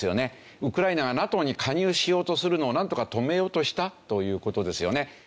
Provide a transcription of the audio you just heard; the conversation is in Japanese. ウクライナがＮＡＴＯに加入しようとするのをなんとか止めようとしたという事ですよね。